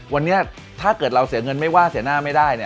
วันนี้ถ้าเกิดเราเสียเงินไม่ว่าเสียหน้าไม่ได้